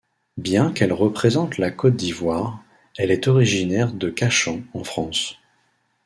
Bien qu'elle représente la Côte d'Ivoire, elle est originaire de Cachan en France.